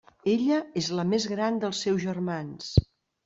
Ella és la més gran dels seus germans.